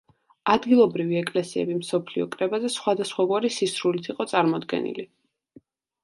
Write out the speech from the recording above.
ადგილობრივი ეკლესიები მსოფლიო კრებაზე სხვადასხვაგვარი სისრულით იყო წარმოდგენილი.